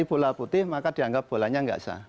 dari bola putih maka dianggap bolanya enggak sah